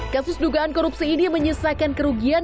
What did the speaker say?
kasus dugaan korupsi ini menyisakan kerugian